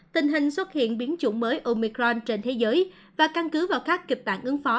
tình hình xuất hiện biến chủng mới omicron trên thế giới và căn cứ vào khắc kịp tạng ứng phó